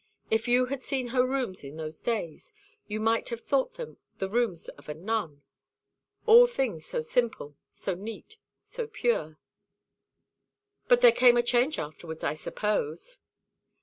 If you had seen her rooms in those days, you might have thought them the rooms of a nun all things so simple, so neat, so pure." "But there came a change afterwards, I suppose?"